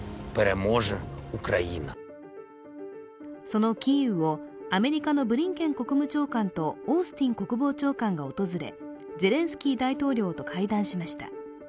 そのキーウをアメリカのブリンケン国務長官とオースティン国防長官が訪れ、ゼレンスキー大統領と会談しました。